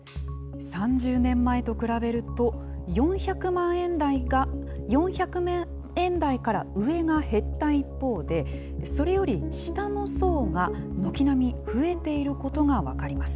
３０年前と比べると、４００万円台から上が減った一方で、それより下の層が軒並み増えていることが分かります。